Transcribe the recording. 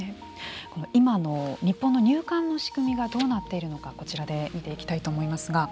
この今の日本の入管の仕組みがどうなっているのかこちらで見ていきたいと思います。